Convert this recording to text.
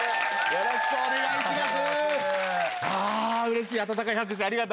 よろしくお願いします。